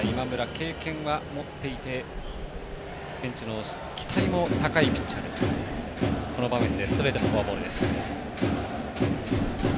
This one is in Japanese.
経験は持っていてベンチの期待も高いピッチャーですがこの場面でストレートのフォアボールです。